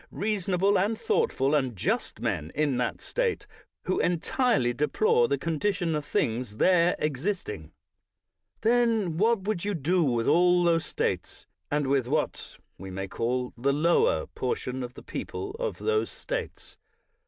reasonable and thoughtful and just men, in that State, who entirely deplore the condition of things there existing. 252 BRIGHT Then, what would you do with all those States, and with what we may call the loyal portion of the people of those States?